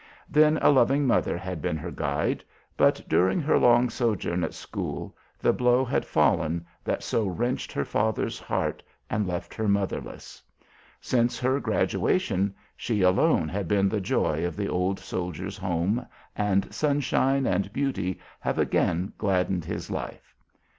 Then a loving mother had been her guide, but during her long sojourn at school the blow had fallen that so wrenched her father's heart and left her motherless. Since her graduation she alone has been the joy of the old soldier's home, and sunshine and beauty have again gladdened his life.